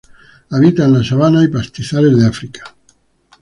Habita en la sabana y pastizales de África.